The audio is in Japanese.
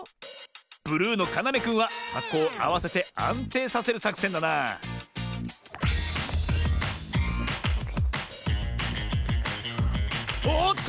ブルーのかなめくんははこをあわせてあんていさせるさくせんだなおおっと！